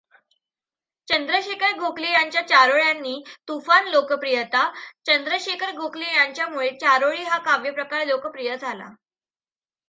चंद्रशेखर गोखले यांच्या चारोळ्यांनी तुफान लोकप्रियता चंद्रशेखर गोखले यांच्यामुळे चारोळी हा काव्यप्रकार लोकप्रिय झाला.